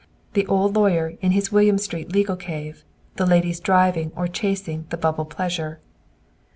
The old lawyer in his William Street legal cave, the ladies driving or chasing the bubble pleasure.